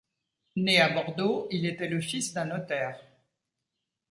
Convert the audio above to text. Né à Bordeaux, il était le fils d’un notaire.